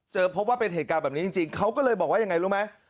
พบว่าเป็นเหตุการณ์แบบนี้จริงเขาก็เลยบอกว่ายังไงรู้ไหม